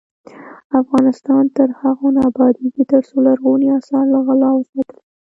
افغانستان تر هغو نه ابادیږي، ترڅو لرغوني اثار له غلا وساتل شي.